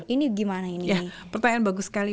ini gimana ini pertanyaan bagus sekali